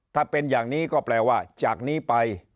ถ้าเป็นอย่างนี้ก็แปลว่าจากนี้ไป